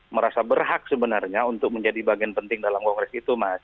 merasa berhak sebenarnya untuk menjadi bagian penting dalam kongres itu mas